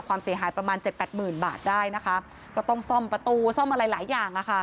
ความเสียหายประมาณเจ็ดแปดหมื่นบาทได้นะคะก็ต้องซ่อมประตูซ่อมอะไรหลายอย่างอ่ะค่ะ